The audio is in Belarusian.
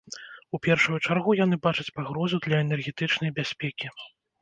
У першую чаргу яны бачаць пагрозу для энергетычнай бяспекі.